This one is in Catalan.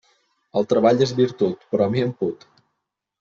El treball és virtut, però a mi em put.